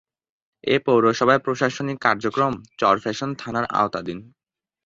এ পৌরসভার প্রশাসনিক কার্যক্রম চরফ্যাশন থানার আওতাধীন।